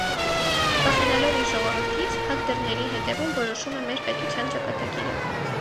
Վախենալով իր ժողովրդից՝ փակ դռների հետևում որոշում է մեր պետության ճակատագիրը։